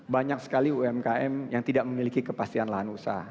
banyak sekali umkm yang tidak memiliki kepastian lahan usaha